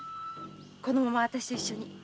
このまま私と一緒に。